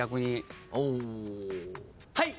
はい！